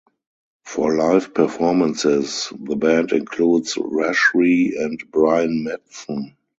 For live performances, the band includes Rashree and Brian Matson.